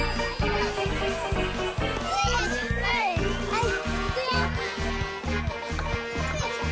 はい。